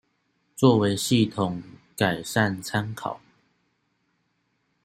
作為系統改善參考